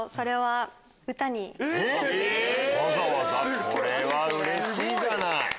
わざわざこれはうれしいじゃない！